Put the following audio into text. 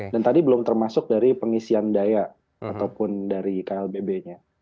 dan tadi belum termasuk dari pengisian daya ataupun dari klbb nya